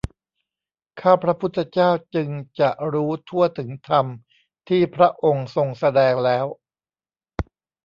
ข้าพระพุทธเจ้าจึงจะรู้ทั่วถึงธรรมที่พระองค์ทรงแสดงแล้ว